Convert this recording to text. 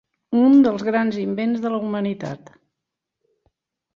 Un dels grans invents de la humanitat.